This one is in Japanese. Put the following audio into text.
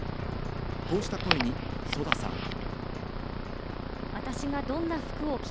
こうした声にＳＯＤＡさんは。